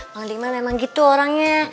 mang diman memang gitu orangnya